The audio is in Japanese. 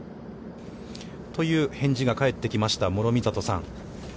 という返事が返ってきました、諸見里さん。